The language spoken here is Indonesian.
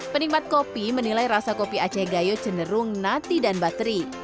penikmat kopi menilai rasa kopi aceh gayo cenderung nati dan bateri